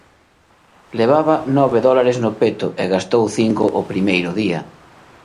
Levaba nove dólares no peto e gastou cinco o primeiro día.